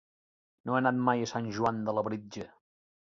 No he anat mai a Sant Joan de Labritja.